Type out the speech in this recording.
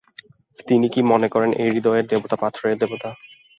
তুমি কি মনে কর ঐ হৃদয়ের দেবতা পাথরের দেবতা!